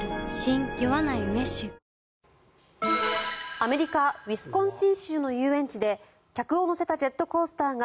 アメリカ・ウィスコンシン州の遊園地で客を乗せたジェットコースターが